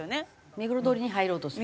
目黒通りに入ろうとする？